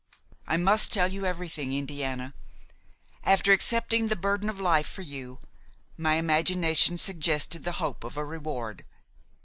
I must tell you everything, Indiana; after accepting the burden of life for you, my imagination suggested the hope of a reward.